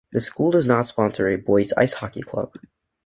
The school does not sponsor a boys ice hockey club.